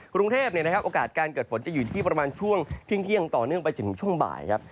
กรุงเทพโอกาสการเกิดฝนจะอยู่ที่ประมาณช่วงเที่ยงต่อเนื่องไปจนถึงช่วงบ่ายครับ